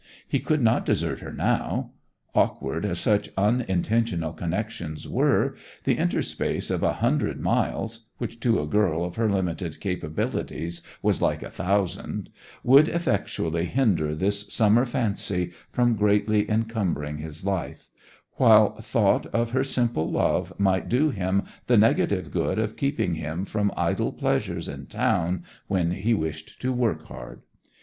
He could not desert her now. Awkward as such unintentional connections were, the interspace of a hundred miles—which to a girl of her limited capabilities was like a thousand—would effectually hinder this summer fancy from greatly encumbering his life; while thought of her simple love might do him the negative good of keeping him from idle pleasures in town when he wished to work hard.